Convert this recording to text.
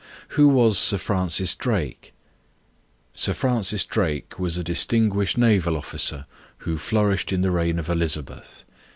Who was Sir Francis Drake? Sir Francis Drake was a distinguished naval officer, who flourished in the reign of Elizabeth.